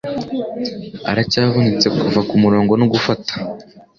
aracyavunitse kuva kumurongo no gufata